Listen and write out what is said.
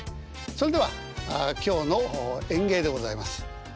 それでは今日の演芸でございます。